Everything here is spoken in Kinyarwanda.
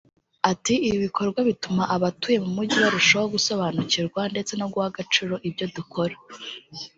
Ati “Ibi bikorwa bituma abatuye mu mujyi barushaho gusobanukirwa ndetse no guha agaciro ibyo dukora